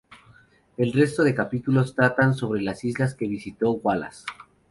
El resto de capítulos tratan sobre las islas que visitó Wallace.